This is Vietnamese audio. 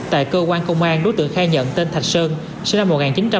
tại cơ quan công an đối tượng khai nhận tên thạch sơn sinh năm một nghìn chín trăm tám mươi